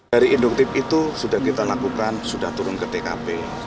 dari induktif itu sudah kita lakukan sudah turun ke tkp